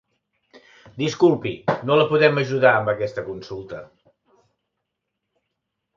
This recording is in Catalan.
Disculpi, no la podem ajudar amb aquesta consulta.